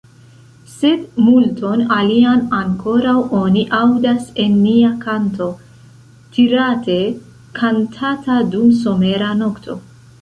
Sed multon alian ankoraŭ oni aŭdas en nia kanto, tirate kantata dum somera nokto!